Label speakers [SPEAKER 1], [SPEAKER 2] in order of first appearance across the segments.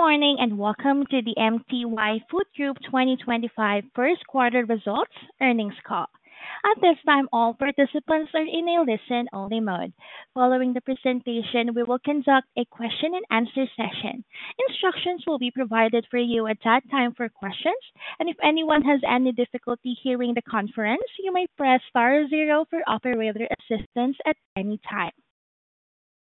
[SPEAKER 1] Good morning and welcome to the MTY Food Group 2025 First Quarter Results Earnings Call. At this time, all participants are in a listen-only mode. Following the presentation, we will conduct a question-and-answer session. Instructions will be provided for you at that time for questions, and if anyone has any difficulty hearing the conference, you may press star zero for operator assistance at any time.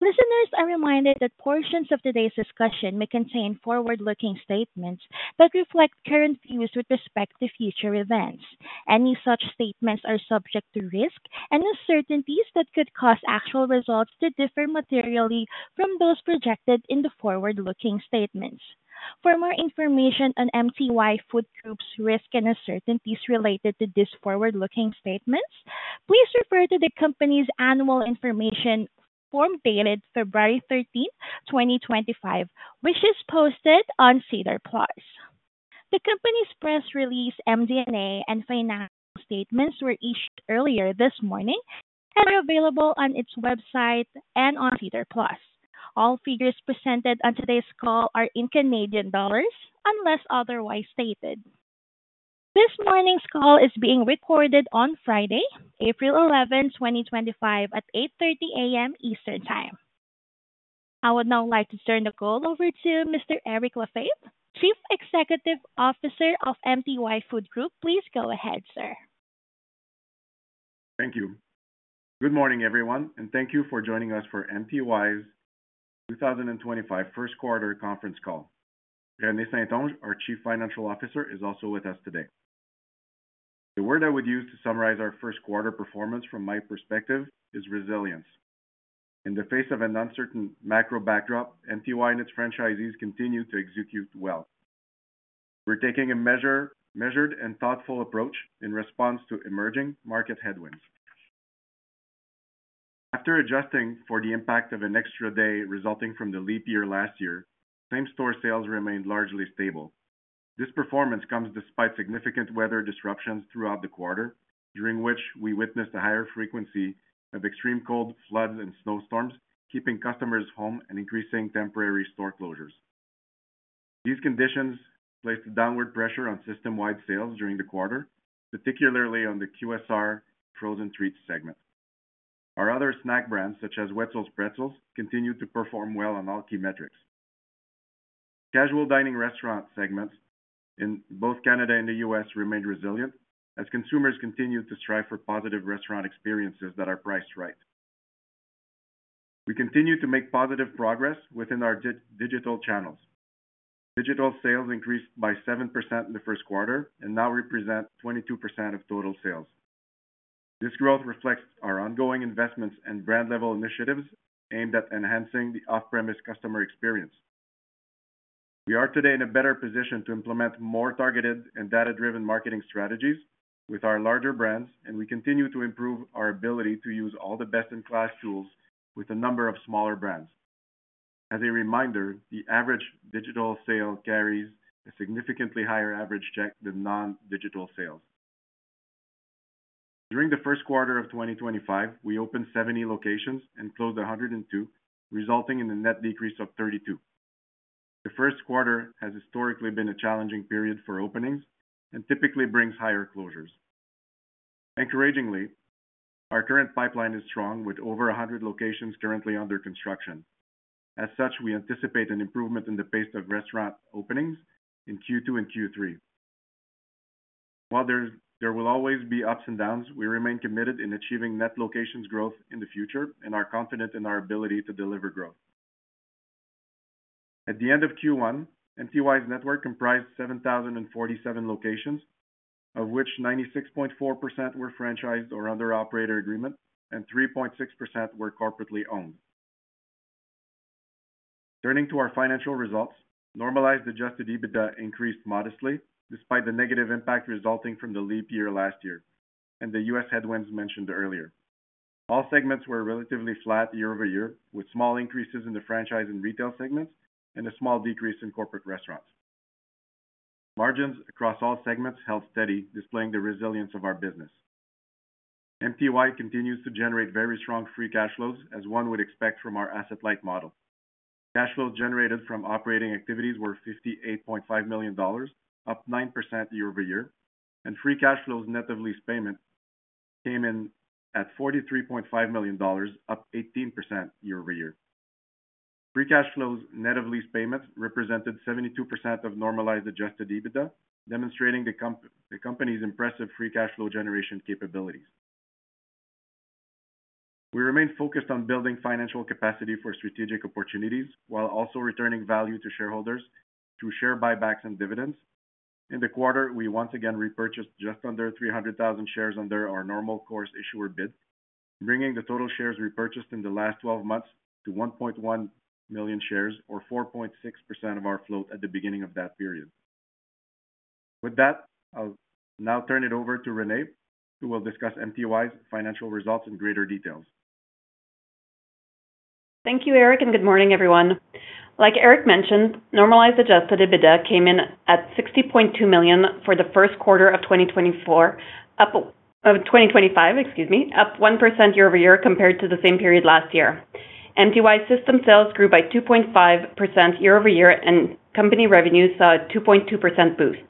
[SPEAKER 1] Listeners, I remind you that portions of today's discussion may contain forward-looking statements that reflect current views with respect to future events. Any such statements are subject to risk and uncertainties that could cause actual results to differ materially from those projected in the forward-looking statements. For more information on MTY Food Group's risk and uncertainties related to these forward-looking statements, please refer to the company's annual information form dated February 13, 2025, which is posted on SEDAR Plus. The company's press release, MD&A and financial statements were issued earlier this morning and are available on its website and on Cedar Plus. All figures presented on today's call are in Canadian dollars unless otherwise stated. This morning's call is being recorded on Friday, April 11, 2025, at 8:30 A.M. Eastern Time. I would now like to turn the call over to Mr. Eric Lefebvre, Chief Executive Officer of MTY Food Group. Please go ahead, sir.
[SPEAKER 2] Thank you. Good morning, everyone, and thank you for joining us for MTY's 2025 First Quarter Conference Call. Renee St-Onge, our Chief Financial Officer, is also with us today. The word I would use to summarize our first quarter performance from my perspective is resilience. In the face of an uncertain macro backdrop, MTY and its franchisees continue to execute well. We're taking a measured and thoughtful approach in response to emerging market headwinds. After adjusting for the impact of an extra day resulting from the leap year last year, same-store sales remained largely stable. This performance comes despite significant weather disruptions throughout the quarter, during which we witnessed a higher frequency of extreme cold, floods, and snowstorms, keeping customers home and increasing temporary store closures. These conditions placed downward pressure on system-wide sales during the quarter, particularly on the QSR frozen treats segment. Our other snack brands, such as Wetzel's Pretzels, continued to perform well on all key metrics. Casual dining restaurant segments in both Canada and the U.S. remained resilient as consumers continued to strive for positive restaurant experiences that are priced right. We continue to make positive progress within our digital channels. Digital sales increased by 7% in the first quarter and now represent 22% of total sales. This growth reflects our ongoing investments and brand-level initiatives aimed at enhancing the off-premise customer experience. We are today in a better position to implement more targeted and data-driven marketing strategies with our larger brands, and we continue to improve our ability to use all the best-in-class tools with a number of smaller brands. As a reminder, the average digital sale carries a significantly higher average check than non-digital sales. During the first quarter of 2025, we opened 70 locations and closed 102, resulting in a net decrease of 32. The first quarter has historically been a challenging period for openings and typically brings higher closures. Encouragingly, our current pipeline is strong, with over 100 locations currently under construction. As such, we anticipate an improvement in the pace of restaurant openings in Q2 and Q3. While there will always be ups and downs, we remain committed in achieving net locations growth in the future and are confident in our ability to deliver growth. At the end of Q1, MTY's network comprised 7,047 locations, of which 96.4% were franchised or under operator agreement, and 3.6% were corporately owned. Turning to our financial results, normalized adjusted EBITDA increased modestly despite the negative impact resulting from the leap year last year and the U.S. headwinds mentioned earlier. All segments were relatively flat year over year, with small increases in the franchise and retail segments and a small decrease in corporate restaurants. Margins across all segments held steady, displaying the resilience of our business. MTY continues to generate very strong free cash flows, as one would expect from our asset-like model. Cash flows generated from operating activities were 58.5 million dollars, up 9% year over year, and free cash flows netted lease payments came in at 43.5 million dollars, up 18% year over year. Free cash flows netted lease payments represented 72% of normalized adjusted EBITDA, demonstrating the company's impressive free cash flow generation capabilities. We remained focused on building financial capacity for strategic opportunities while also returning value to shareholders through share buybacks and dividends. In the quarter, we once again repurchased just under 300,000 shares under our normal course issuer bid, bringing the total shares repurchased in the last 12 months to 1.1 million shares, or 4.6% of our float at the beginning of that period. With that, I'll now turn it over to Renee, who will discuss MTY's financial results in greater details.
[SPEAKER 3] Thank you, Eric, and good morning, everyone. Like Eric mentioned, normalized adjusted EBITDA came in at 60.2 million for the first quarter of 2024, up 1% year over year compared to the same period last year. MTY system sales grew by 2.5% year over year, and company revenues saw a 2.2% boost.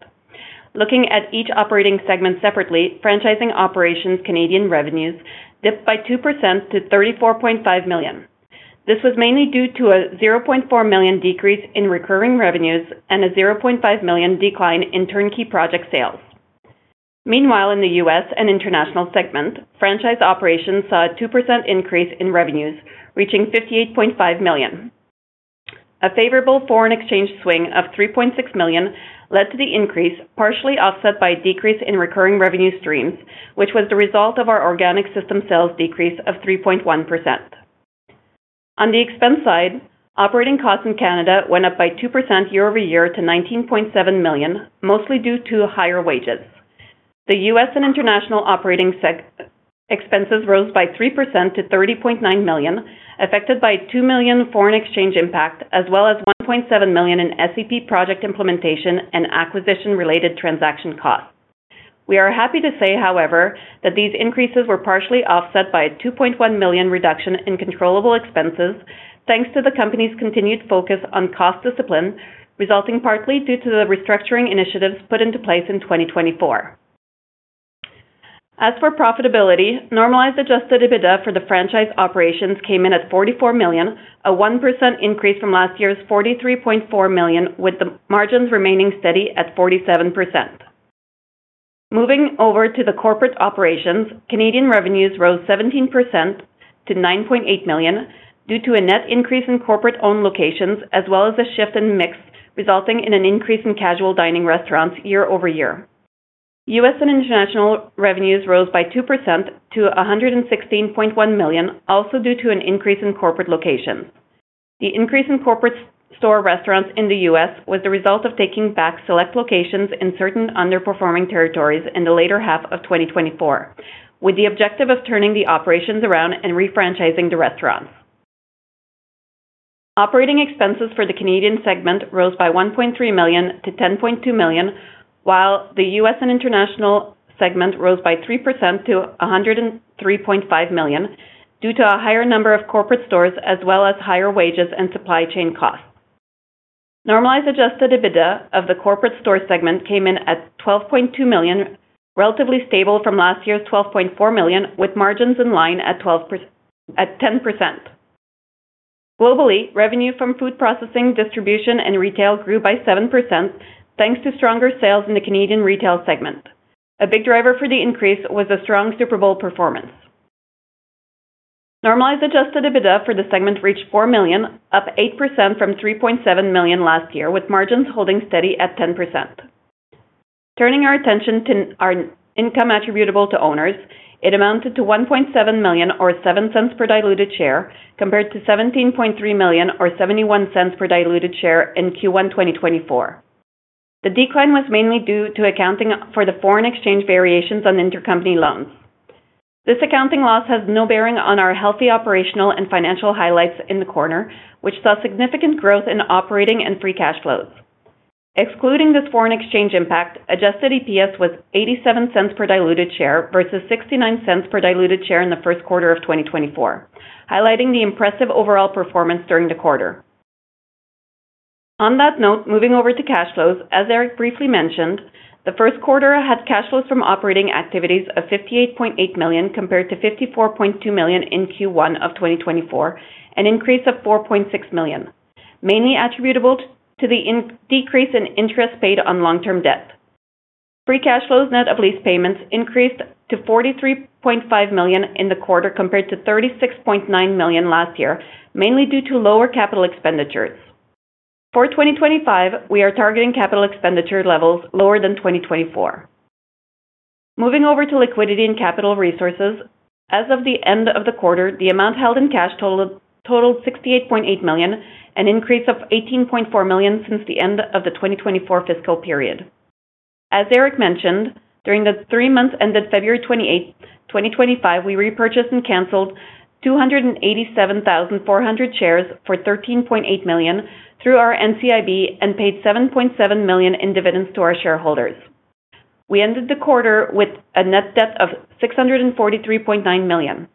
[SPEAKER 3] Looking at each operating segment separately, franchising operations Canadian revenues dipped by 2% to 34.5 million. This was mainly due to a 0.4 million decrease in recurring revenues and a 0.5 million decline in turnkey project sales. Meanwhile, in the U.S. and international segment, franchise operations saw a 2% increase in revenues, reaching 58.5 million. A favorable foreign exchange swing of 3.6 million led to the increase, partially offset by a decrease in recurring revenue streams, which was the result of our organic system sales decrease of 3.1%. On the expense side, operating costs in Canada went up by 2% year over year to 19.7 million, mostly due to higher wages. The U.S. and international operating expenses rose by 3% to $30.9 million, affected by $2 million foreign exchange impact, as well as $1.7 million in SEP project implementation and acquisition-related transaction costs. We are happy to say, however, that these increases were partially offset by a 2.1 million reduction in controllable expenses, thanks to the company's continued focus on cost discipline, resulting partly due to the restructuring initiatives put into place in 2024. As for profitability, normalized adjusted EBITDA for the franchise operations came in at 44 million, a 1% increase from last year's 43.4 million, with the margins remaining steady at 47%. Moving over to the corporate operations, Canadian revenues rose 17% to 9.8 million due to a net increase in corporate-owned locations, as well as a shift in mix, resulting in an increase in casual dining restaurants year over year. U.S. and international revenues rose by 2% to $116.1 million, also due to an increase in corporate locations. The increase in corporate store restaurants in the U.S. was the result of taking back select locations in certain underperforming territories in the later half of 2024, with the objective of turning the operations around and refranchising the restaurants. Operating expenses for the Canadian segment rose by 1.3 million to 10.2 million, while the U.S. and international segment rose by 3% to $103.5 million due to a higher number of corporate stores, as well as higher wages and supply chain costs. Normalized adjusted EBITDA of the corporate store segment came in at 12.2 million, relatively stable from last year's 12.4 million, with margins in line at 10%. Globally, revenue from food processing, distribution, and retail grew by 7%, thanks to stronger sales in the Canadian retail segment. A big driver for the increase was a strong Super Bowl performance. Normalized adjusted EBITDA for the segment reached 4 million, up 8% from 3.7 million last year, with margins holding steady at 10%. Turning our attention to our income attributable to owners, it amounted to 1.7 million, or 0.07 per diluted share, compared to 17.3 million, or 0.71 per diluted share in Q1 2024. The decline was mainly due to accounting for the foreign exchange variations on intercompany loans. This accounting loss has no bearing on our healthy operational and financial highlights in the quarter, which saw significant growth in operating and free cash flows. Excluding this foreign exchange impact, adjusted EPS was 0.87 per diluted share versus 0.69 per diluted share in the first quarter of 2024, highlighting the impressive overall performance during the quarter. On that note, moving over to cash flows, as Eric briefly mentioned, the first quarter had cash flows from operating activities of 58.8 million compared to 54.2 million in Q1 of 2024, an increase of 4.6 million, mainly attributable to the decrease in interest paid on long-term debt. Free cash flows netted lease payments increased to 43.5 million in the quarter compared to 36.9 million last year, mainly due to lower capital expenditures. For 2025, we are targeting capital expenditure levels lower than 2024. Moving over to liquidity and capital resources, as of the end of the quarter, the amount held in cash totaled 68.8 million, an increase of 18.4 million since the end of the 2024 fiscal period. As Eric mentioned, during the three months ended February 28, 2025, we repurchased and canceled 287,400 shares for 13.8 million through our NCIB and paid 7.7 million in dividends to our shareholders. We ended the quarter with a net debt of 643.9 million.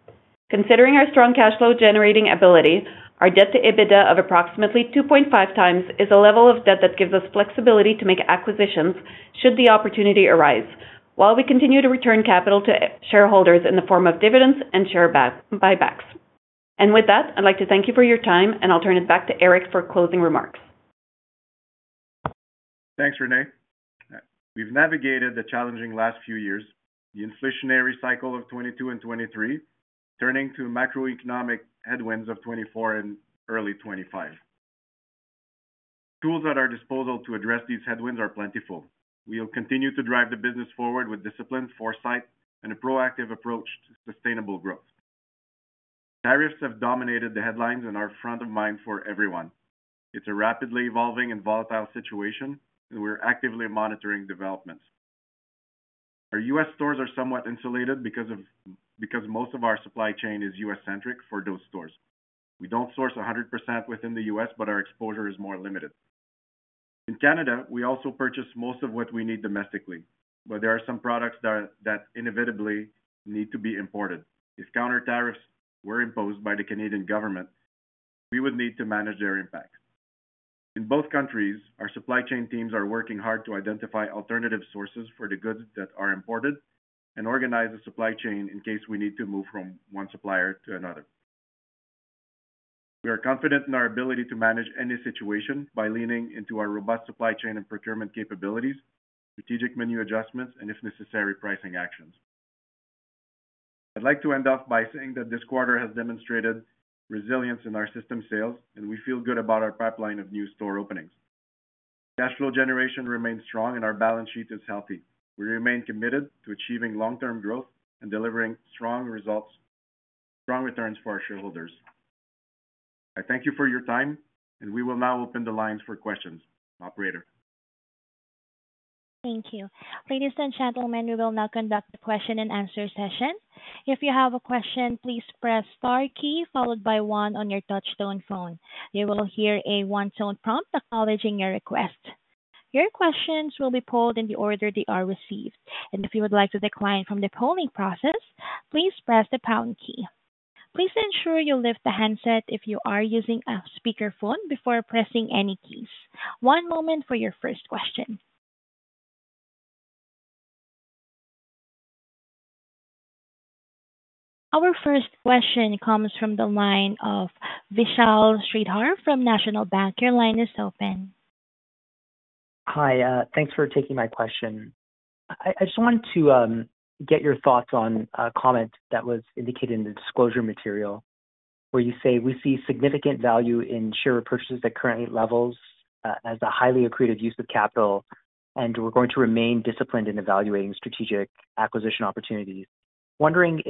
[SPEAKER 3] Considering our strong cash flow generating ability, our debt to EBITDA of approximately 2.5 times is a level of debt that gives us flexibility to make acquisitions should the opportunity arise, while we continue to return capital to shareholders in the form of dividends and share buybacks. I would like to thank you for your time, and I will turn it back to Eric for closing remarks.
[SPEAKER 2] Thanks, Renee. We've navigated the challenging last few years, the inflationary cycle of 2022 and 2023, turning to macroeconomic headwinds of 2024 and early 2025. The tools at our disposal to address these headwinds are plentiful. We'll continue to drive the business forward with discipline, foresight, and a proactive approach to sustainable growth. Tariffs have dominated the headlines and are front of mind for everyone. It's a rapidly evolving and volatile situation, and we're actively monitoring developments. Our U.S. stores are somewhat insulated because most of our supply chain is U.S.-centric for those stores. We don't source 100% within the U.S., but our exposure is more limited. In Canada, we also purchase most of what we need domestically, but there are some products that inevitably need to be imported. If countertariffs were imposed by the Canadian government, we would need to manage their impact. In both countries, our supply chain teams are working hard to identify alternative sources for the goods that are imported and organize the supply chain in case we need to move from one supplier to another. We are confident in our ability to manage any situation by leaning into our robust supply chain and procurement capabilities, strategic menu adjustments, and, if necessary, pricing actions. I'd like to end off by saying that this quarter has demonstrated resilience in our system sales, and we feel good about our pipeline of new store openings. Cash flow generation remains strong, and our balance sheet is healthy. We remain committed to achieving long-term growth and delivering strong results, strong returns for our shareholders. I thank you for your time, and we will now open the lines for questions, Operator.
[SPEAKER 1] Thank you. Ladies and gentlemen, we will now conduct the question and answer session. If you have a question, please press the star key followed by one on your touch-tone phone. You will hear a one-tone prompt acknowledging your request. Your questions will be polled in the order they are received. If you would like to decline from the polling process, please press the pound key. Please ensure you lift the handset if you are using a speakerphone before pressing any keys. One moment for your first question. Our first question comes from the line of Vishal Sridhar from National Bank. Your line is open.
[SPEAKER 4] Hi, thanks for taking my question. I just wanted to get your thoughts on a comment that was indicated in the disclosure material where you say, "We see significant value in share repurchases at current levels as a highly accretive use of capital, and we're going to remain disciplined in evaluating strategic acquisition opportunities." Wondering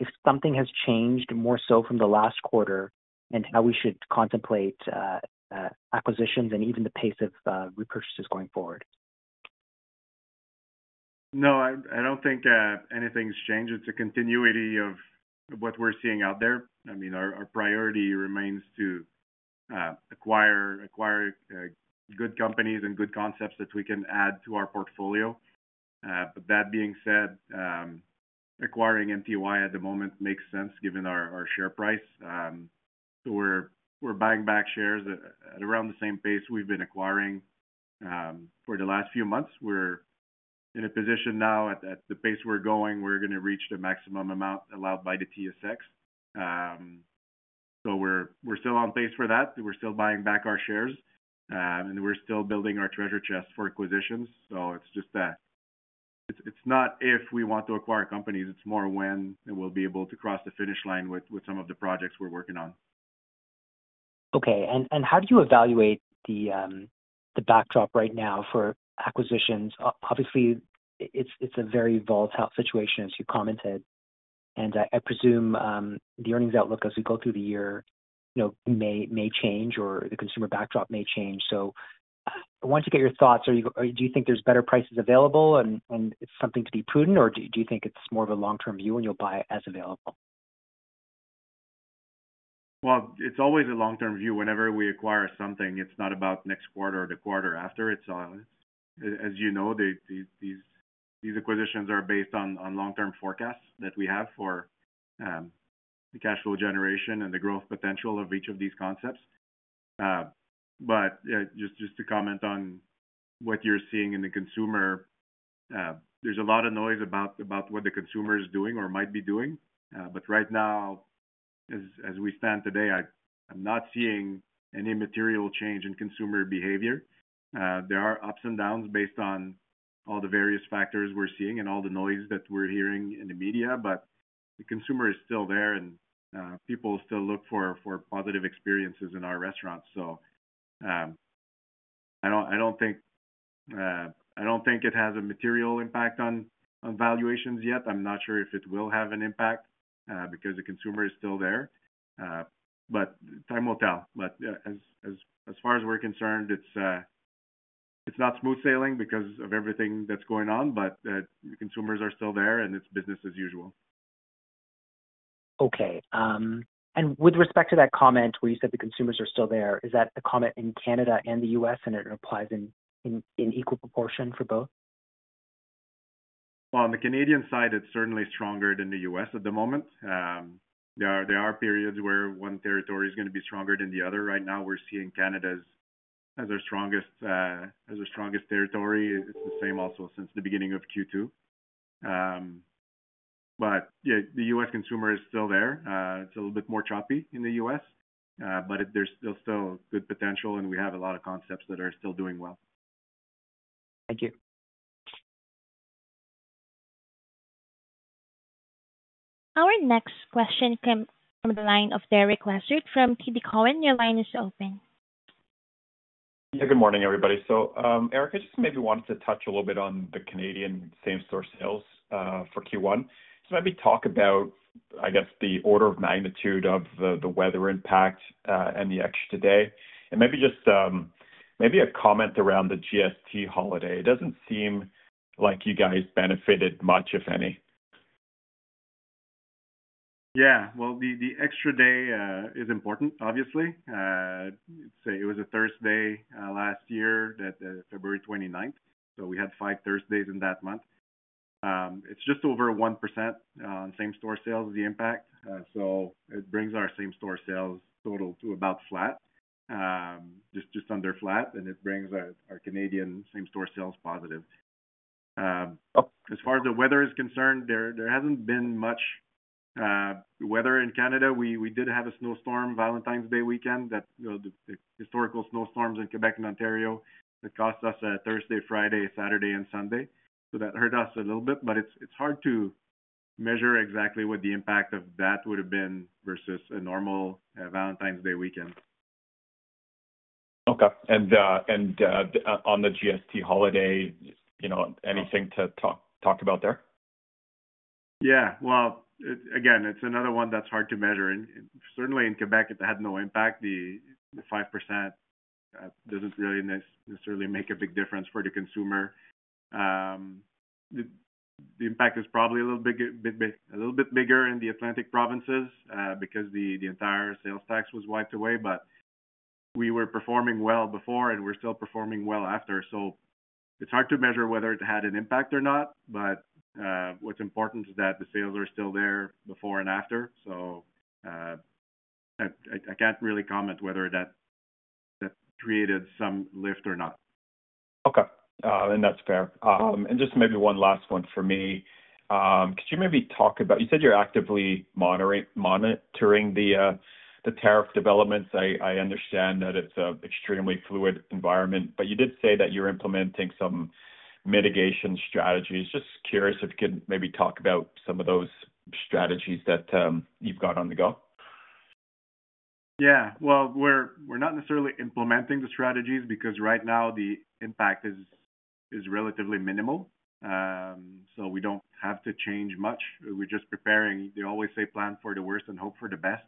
[SPEAKER 4] if something has changed more so from the last quarter and how we should contemplate acquisitions and even the pace of repurchases going forward.
[SPEAKER 2] No, I don't think anything's changed. It's a continuity of what we're seeing out there. I mean, our priority remains to acquire good companies and good concepts that we can add to our portfolio. That being said, acquiring MTY at the moment makes sense given our share price. We're buying back shares at around the same pace we've been acquiring for the last few months. We're in a position now at the pace we're going, we're going to reach the maximum amount allowed by the TSX. We're still on pace for that. We're still buying back our shares, and we're still building our treasure chest for acquisitions. It's not if we want to acquire companies. It's more when we'll be able to cross the finish line with some of the projects we're working on.
[SPEAKER 4] Okay. How do you evaluate the backdrop right now for acquisitions? Obviously, it's a very volatile situation, as you commented. I presume the earnings outlook as we go through the year may change, or the consumer backdrop may change. I wanted to get your thoughts. Do you think there's better prices available, and it's something to be prudent, or do you think it's more of a long-term view and you'll buy as available?
[SPEAKER 2] It is always a long-term view. Whenever we acquire something, it is not about next quarter or the quarter after. As you know, these acquisitions are based on long-term forecasts that we have for the cash flow generation and the growth potential of each of these concepts. Just to comment on what you are seeing in the consumer, there is a lot of noise about what the consumer is doing or might be doing. Right now, as we stand today, I am not seeing any material change in consumer behavior. There are ups and downs based on all the various factors we are seeing and all the noise that we are hearing in the media, but the consumer is still there, and people still look for positive experiences in our restaurants. I do not think it has a material impact on valuations yet. I'm not sure if it will have an impact because the consumer is still there. Time will tell. As far as we're concerned, it's not smooth sailing because of everything that's going on, but consumers are still there, and it's business as usual.
[SPEAKER 4] Okay. With respect to that comment where you said the consumers are still there, is that a comment in Canada and the U.S., and does it apply in equal proportion for both?
[SPEAKER 2] On the Canadian side, it's certainly stronger than the U.S. at the moment. There are periods where one territory is going to be stronger than the other. Right now, we're seeing Canada as our strongest territory. It's the same also since the beginning of Q2. The U.S. consumer is still there. It's a little bit more choppy in the U.S., but there's still good potential, and we have a lot of concepts that are still doing well.
[SPEAKER 4] Thank you.
[SPEAKER 1] Our next question came from the line of Derek Lefebvre from TD Cowen. Your line is open.
[SPEAKER 5] Yeah, good morning, everybody. Eric, I just maybe wanted to touch a little bit on the Canadian same-store sales for Q1. Maybe talk about, I guess, the order of magnitude of the weather impact and the extra day. Maybe just maybe a comment around the GST holiday. It doesn't seem like you guys benefited much, if any.
[SPEAKER 2] Yeah. The extra day is important, obviously. It was a Thursday last year, February 29th. We had five Thursdays in that month. It is just over 1% on same-store sales, the impact. It brings our same-store sales total to about flat, just under flat, and it brings our Canadian same-store sales positive. As far as the weather is concerned, there has not been much weather in Canada. We did have a snowstorm Valentine's Day weekend, the historical snowstorms in Quebec and Ontario. It cost us Thursday, Friday, Saturday, and Sunday. That hurt us a little bit, but it is hard to measure exactly what the impact of that would have been versus a normal Valentine's Day weekend.
[SPEAKER 5] Okay. On the GST holiday, anything to talk about there?
[SPEAKER 2] Yeah. Again, it's another one that's hard to measure. Certainly, in Quebec, it had no impact. The 5% doesn't really necessarily make a big difference for the consumer. The impact is probably a little bit bigger in the Atlantic provinces because the entire sales tax was wiped away. We were performing well before, and we're still performing well after. It's hard to measure whether it had an impact or not, but what's important is that the sales are still there before and after. I can't really comment whether that created some lift or not.
[SPEAKER 5] Okay. That's fair. Just maybe one last one for me. Could you maybe talk about, you said you're actively monitoring the tariff developments. I understand that it's an extremely fluid environment, but you did say that you're implementing some mitigation strategies. Just curious if you could maybe talk about some of those strategies that you've got on the go.
[SPEAKER 2] Yeah. We're not necessarily implementing the strategies because right now, the impact is relatively minimal. We don't have to change much. We're just preparing. They always say, "Plan for the worst and hope for the best."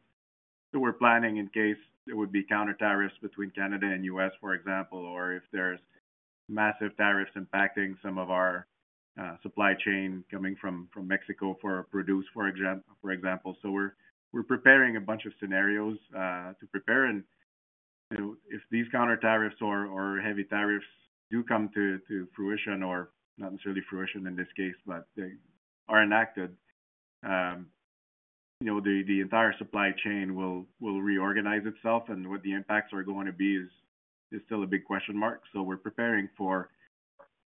[SPEAKER 2] We're planning in case there would be countertariffs between Canada and the U.S., for example, or if there's massive tariffs impacting some of our supply chain coming from Mexico for produce, for example. We're preparing a bunch of scenarios to prepare. If these countertariffs or heavy tariffs do come to fruition, or not necessarily fruition in this case, but are enacted, the entire supply chain will reorganize itself. What the impacts are going to be is still a big question mark. We're preparing for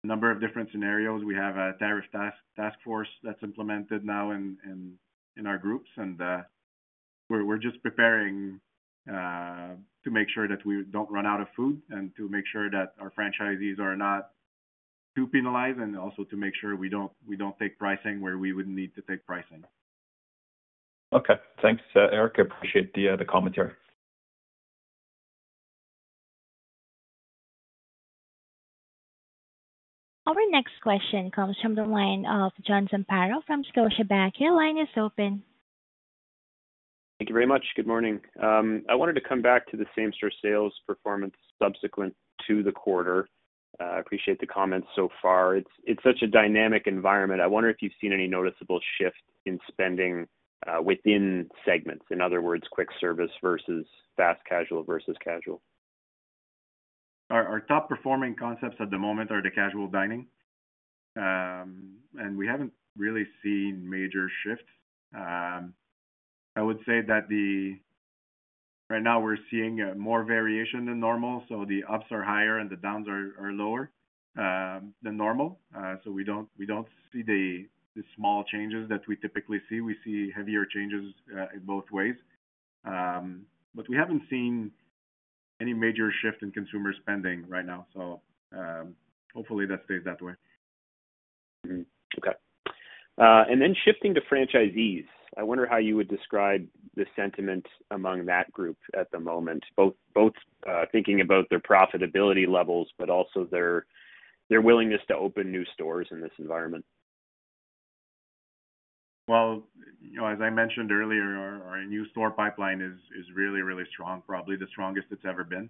[SPEAKER 2] a number of different scenarios. We have a tariff task force that's implemented now in our groups. We are just preparing to make sure that we do not run out of food and to make sure that our franchisees are not too penalized and also to make sure we do not take pricing where we would need to take pricing.
[SPEAKER 5] Okay. Thanks, Eric. I appreciate the commentary.
[SPEAKER 1] Our next question comes from the line of John Zamparo from Scotiabank. Your line is open.
[SPEAKER 6] Thank you very much. Good morning. I wanted to come back to the same-store sales performance subsequent to the quarter. I appreciate the comments so far. It's such a dynamic environment. I wonder if you've seen any noticeable shift in spending within segments, in other words, quick service versus fast casual versus casual.
[SPEAKER 2] Our top-performing concepts at the moment are the casual dining. We have not really seen major shifts. I would say that right now, we are seeing more variation than normal. The ups are higher and the downs are lower than normal. We do not see the small changes that we typically see. We see heavier changes in both ways. We have not seen any major shift in consumer spending right now. Hopefully, that stays that way.
[SPEAKER 5] Okay. And then shifting to franchisees, I wonder how you would describe the sentiment among that group at the moment, both thinking about their profitability levels, but also their willingness to open new stores in this environment.
[SPEAKER 2] As I mentioned earlier, our new store pipeline is really, really strong, probably the strongest it's ever been.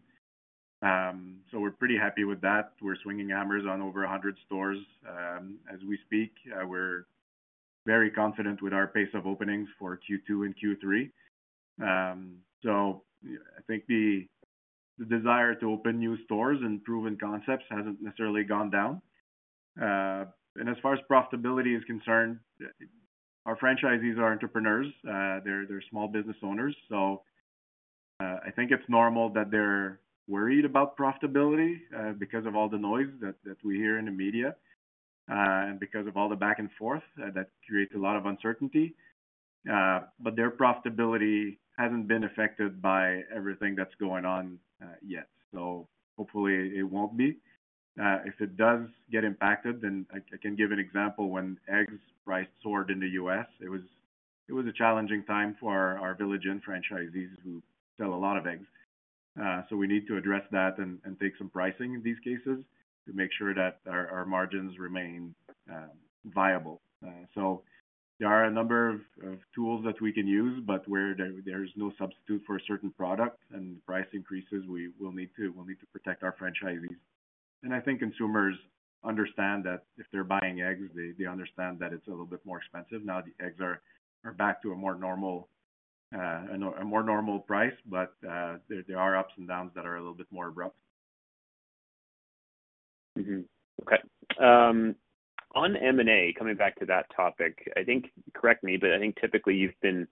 [SPEAKER 2] We're pretty happy with that. We're swinging hammers on over 100 stores as we speak. We're very confident with our pace of openings for Q2 and Q3. I think the desire to open new stores and proven concepts hasn't necessarily gone down. As far as profitability is concerned, our franchisees are entrepreneurs. They're small business owners. I think it's normal that they're worried about profitability because of all the noise that we hear in the media and because of all the back and forth that creates a lot of uncertainty. Their profitability hasn't been affected by everything that's going on yet. Hopefully, it won't be. If it does get impacted, then I can give an example when eggs price soared in the U.S. It was a challenging time for our village and franchisees who sell a lot of eggs. We need to address that and take some pricing in these cases to make sure that our margins remain viable. There are a number of tools that we can use, but where there is no substitute for a certain product and price increases, we will need to protect our franchisees. I think consumers understand that if they are buying eggs, they understand that it is a little bit more expensive. Now, the eggs are back to a more normal price, but there are ups and downs that are a little bit more abrupt.
[SPEAKER 5] Okay. On M&A, coming back to that topic, I think—correct me—but I think typically you've been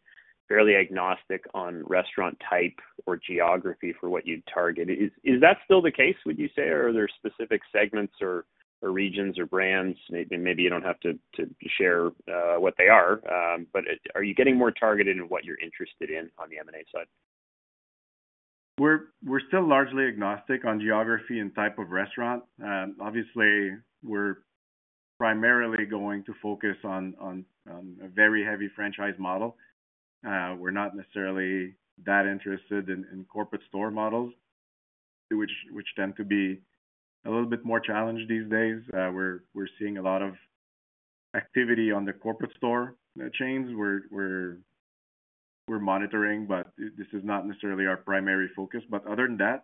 [SPEAKER 5] fairly agnostic on restaurant type or geography for what you target. Is that still the case, would you say? Or are there specific segments or regions or brands? Maybe you don't have to share what they are, but are you getting more targeted in what you're interested in on the M&A side?
[SPEAKER 2] We're still largely agnostic on geography and type of restaurant. Obviously, we're primarily going to focus on a very heavy franchise model. We're not necessarily that interested in corporate store models, which tend to be a little bit more challenged these days. We're seeing a lot of activity on the corporate store chains. We're monitoring, but this is not necessarily our primary focus. Other than that,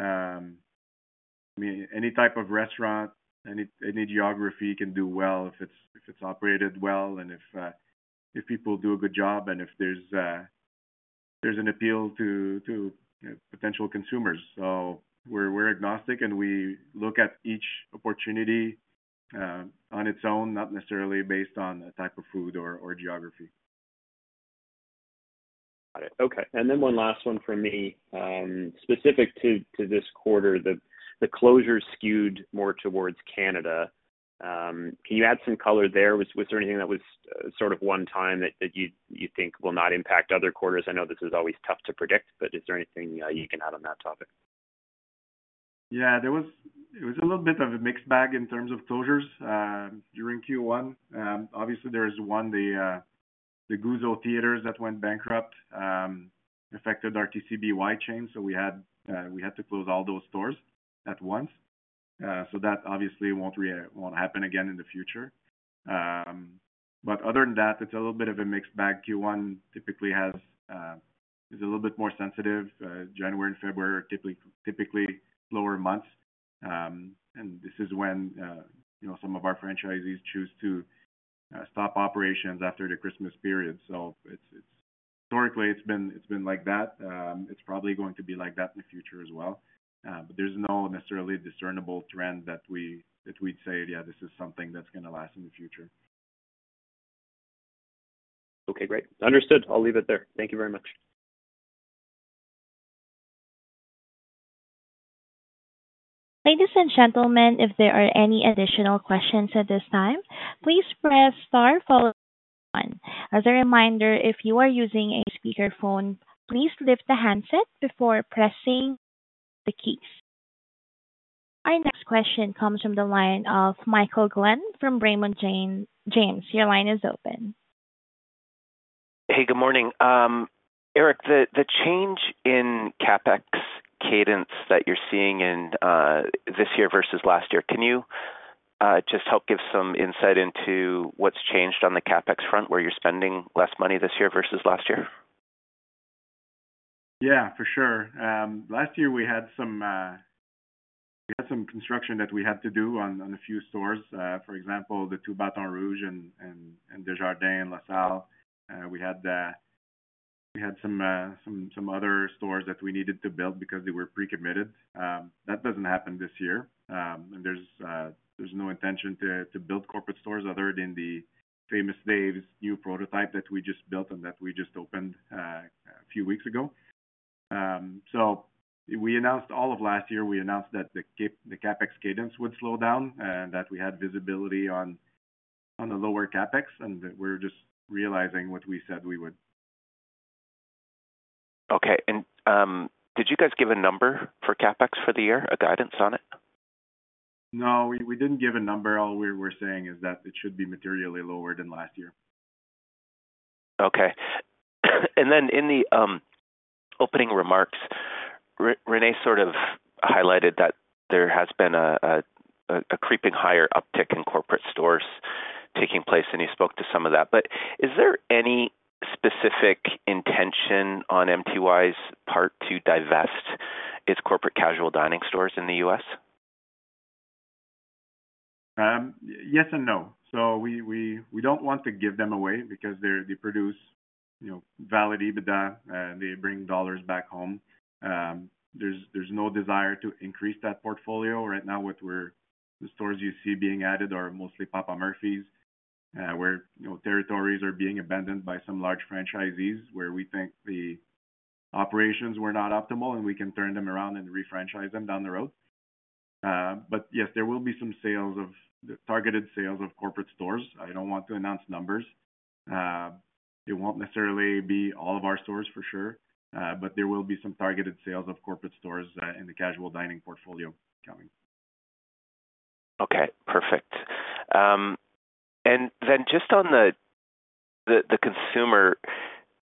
[SPEAKER 2] I mean, any type of restaurant, any geography can do well if it's operated well and if people do a good job and if there's an appeal to potential consumers. We're agnostic, and we look at each opportunity on its own, not necessarily based on a type of food or geography.
[SPEAKER 5] Got it. Okay. One last one for me, specific to this quarter, the closures skewed more towards Canada. Can you add some color there? Was there anything that was sort of one time that you think will not impact other quarters? I know this is always tough to predict, but is there anything you can add on that topic?
[SPEAKER 2] Yeah. There was a little bit of a mixed bag in terms of closures during Q1. Obviously, there is one, the Goose Oak Theaters that went bankrupt, affected our TCBY chain. So we had to close all those stores at once. That obviously will not happen again in the future. Other than that, it is a little bit of a mixed bag. Q1 typically is a little bit more sensitive. January and February are typically slower months. This is when some of our franchisees choose to stop operations after the Christmas period. Historically, it has been like that. It is probably going to be like that in the future as well. There is no necessarily discernible trend that we would say, "Yeah, this is something that is going to last in the future.
[SPEAKER 5] Okay. Great. Understood. I'll leave it there. Thank you very much.
[SPEAKER 1] Ladies and gentlemen, if there are any additional questions at this time, please press star followed by one. As a reminder, if you are using a speakerphone, please lift the handset before pressing the keys. Our next question comes from the line of Michael Glenn from Raymond James. Your line is open.
[SPEAKER 7] Hey, good morning. Eric, the change in CapEx cadence that you're seeing in this year versus last year, can you just help give some insight into what's changed on the CapEx front where you're spending less money this year versus last year?
[SPEAKER 2] Yeah, for sure. Last year, we had some construction that we had to do on a few stores. For example, the two Baton Rouge and Desjardins and LaSalle. We had some other stores that we needed to build because they were pre-committed. That does not happen this year. There is no intention to build corporate stores other than the famous Dave's new prototype that we just built and that we just opened a few weeks ago. We announced all of last year, we announced that the CapEx cadence would slow down and that we had visibility on the lower CapEx. We are just realizing what we said we would.
[SPEAKER 5] Okay. Did you guys give a number for CapEx for the year, a guidance on it?
[SPEAKER 2] No, we didn't give a number. All we were saying is that it should be materially lower than last year.
[SPEAKER 5] Okay. In the opening remarks, Renee sort of highlighted that there has been a creeping higher uptick in corporate stores taking place, and you spoke to some of that. Is there any specific intention on MTY's part to divest its corporate casual dining stores in the U.S.?
[SPEAKER 2] Yes and no. We do not want to give them away because they produce valid EBITDA. They bring dollars back home. There is no desire to increase that portfolio. Right now, the stores you see being added are mostly Papa Murphy's, where territories are being abandoned by some large franchisees where we think the operations were not optimal, and we can turn them around and refranchise them down the road. Yes, there will be some targeted sales of corporate stores. I do not want to announce numbers. It will not necessarily be all of our stores for sure, but there will be some targeted sales of corporate stores in the casual dining portfolio coming.
[SPEAKER 5] Okay. Perfect. And then just on the consumer,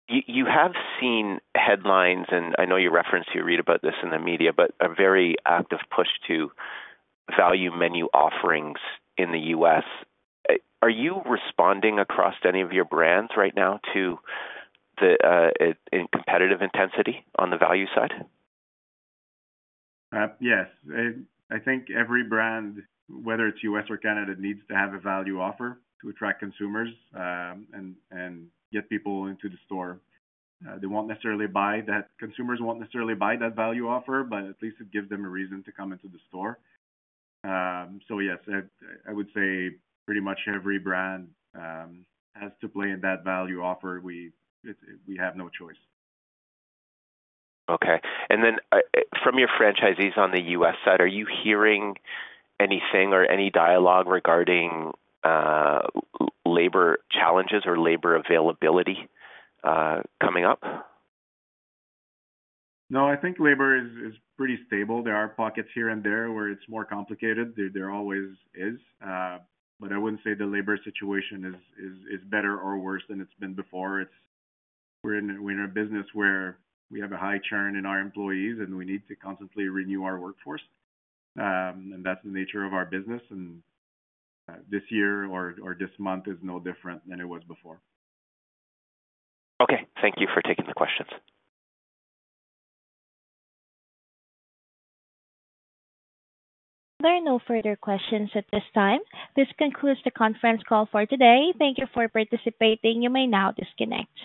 [SPEAKER 5] you have seen headlines, and I know you referenced you read about this in the media, but a very active push to value menu offerings in the U.S. Are you responding across to any of your brands right now in competitive intensity on the value side?
[SPEAKER 2] Yes. I think every brand, whether it's U.S. or Canada, needs to have a value offer to attract consumers and get people into the store. They won't necessarily buy that. Consumers won't necessarily buy that value offer, but at least it gives them a reason to come into the store. Yes, I would say pretty much every brand has to play in that value offer. We have no choice.
[SPEAKER 5] Okay. From your franchisees on the U.S. side, are you hearing anything or any dialogue regarding labor challenges or labor availability coming up?
[SPEAKER 2] No, I think labor is pretty stable. There are pockets here and there where it's more complicated. There always is. I wouldn't say the labor situation is better or worse than it's been before. We're in a business where we have a high churn in our employees, and we need to constantly renew our workforce. That's the nature of our business. This year or this month is no different than it was before.
[SPEAKER 5] Okay. Thank you for taking the questions.
[SPEAKER 1] There are no further questions at this time. This concludes the conference call for today. Thank you for participating. You may now disconnect.